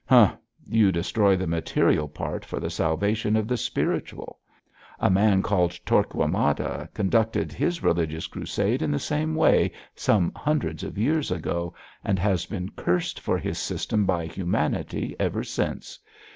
'Humph! you destroy the material part for the salvation of the spiritual. A man called Torquemada conducted his religious crusade in the same way some hundreds of years ago, and has been cursed for his system by humanity ever since.